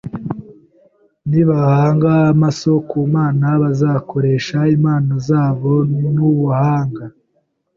Nibahanga amaso ku Mana, bagakoresha impano zabo n’ubuhanga